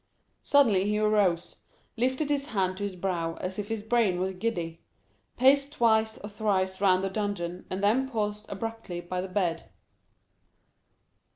Suddenly he arose, lifted his hand to his brow as if his brain were giddy, paced twice or thrice round the dungeon, and then paused abruptly by the bed.